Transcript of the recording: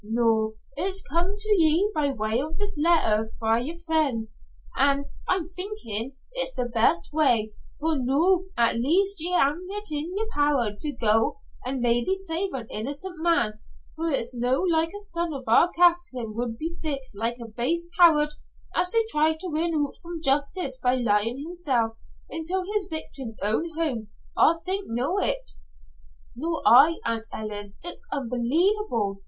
Noo it's come to ye by way of this letter fra yer frien', an' I'm thinkin' it's the best way; for noo, at last ye ha'e it in ye're power to go an' maybe save an innocent man, for it's no like a son of our Katherine would be sic' like a base coward as to try to win oot from justice by lyin' himsel' intil his victim's own home. I'll no think it." "Nor I, Aunt Ellen. It's unbelievable!